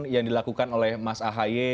yang dilakukan oleh mas ahy